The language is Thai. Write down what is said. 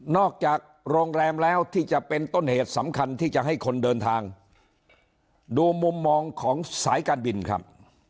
จากโรงแรมแล้วที่จะเป็นต้นเหตุสำคัญที่จะให้คนเดินทางดูมุมมองของสายการบินครับ